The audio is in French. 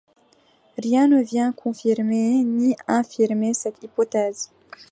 Rien ne vient confirmer ni infirmer cette hypothèse.